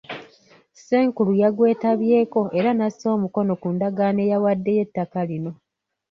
Ssenkulu yagwetabyeko era n'assa omukono ku ndagaano eyawaddeyo ettaka lino.